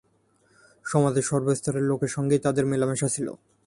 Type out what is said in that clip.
সমাজের সর্বস্তরের লোকের সঙ্গেই তাঁদের মেলামেশা ছিল।